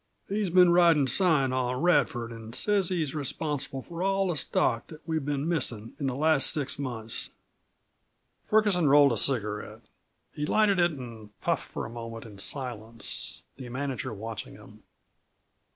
"He's been ridin' sign on Radford an' says he's responsible for all the stock that we've been missin' in the last six months." Ferguson rolled a cigarette. He lighted it and puffed for a moment in silence, the manager watching him.